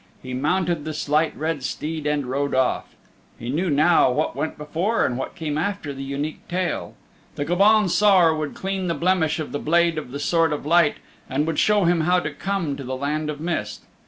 He mounted the Slight Red Steed and rode off. He knew now what went before and what came after the Unique Tale. The Gobaun Saor would clean the blemish of the blade of the Sword of Light and would show him how to come to the Land of Mist.